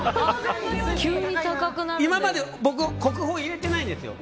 今まで僕国宝、入れてないんですよ。